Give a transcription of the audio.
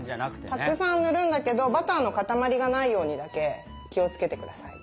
たくさん塗るんだけどバターの塊がないようにだけ気をつけてください。